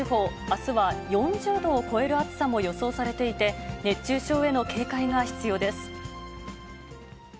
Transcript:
あすは４０度を超える暑さも予想されていて、熱中症への警戒が必要です。